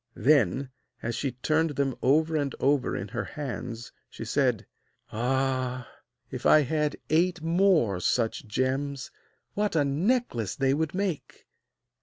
Then, as she turned them over and over in her hands, she said: 'Ah! if I had eight more such gems, what a necklace they would make!